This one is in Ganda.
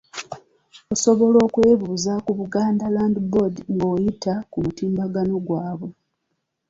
Osobola okwebuuza ku Buganda Land Board nga oyita ku mutimbagano gwabwe.